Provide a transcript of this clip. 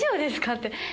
って。